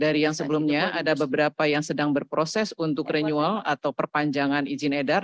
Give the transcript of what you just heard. dari yang sebelumnya ada beberapa yang sedang berproses untuk renewal atau perpanjangan izin edar